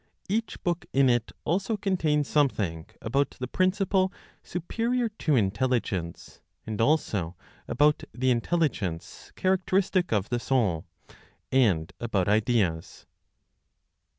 Each book in it also contains something about the principle superior to intelligence, and also about the intelligence characteristic of the soul, and about Ideas.